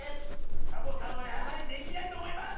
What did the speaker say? サボさんはやはりできないとおもいます！